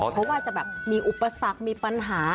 เพราะว่าจะแบบมีอุปสรรคมีปัญหา